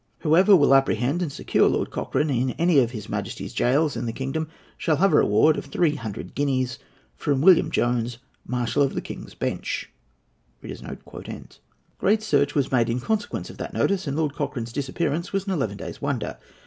Whoever will apprehend and secure Lord Cochrane in any of His Majesty's gaols in the kingdom shall have a reward of three hundred guineas from William Jones, Marshal of the King's Bench." [Footnote A: He was really about six feet two inches in height, and broad in proportion.] Great search was made in consequence of that notice, and Lord Cochrane's disappearance was an eleven days' wonder.